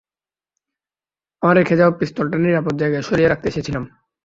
আমরা রেখে যাওয়া পিস্তলটা নিরাপদ জায়গায় সরিয়ে রাখতে এসেছিলাম।